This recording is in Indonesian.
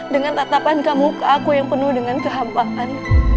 dengan tatapan kamu ke aku yang penuh dengan kehampahan